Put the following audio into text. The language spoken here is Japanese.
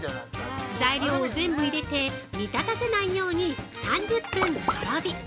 材料を全部入れて煮立たせないように３０分とろ火。